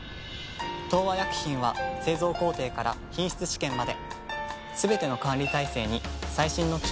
東和薬品は製造工程から品質試験まですべての管理体制に最新の機器や技術を導入。